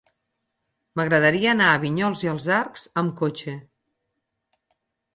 M'agradaria anar a Vinyols i els Arcs amb cotxe.